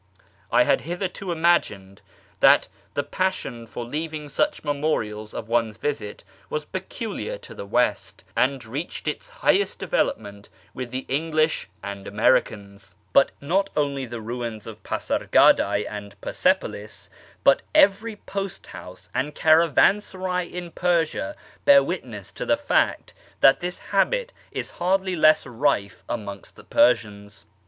I had hitherto imagined that the passion for leaving such memorials of one's visit was peculiar to the West, and reached its highest development with the English and Americans; but not only the ruins of Pasargadse and Persepolis, but every post house and caravansaray in Persia, bear witness to the fact that this habit is hardly less rife amongst the Persians.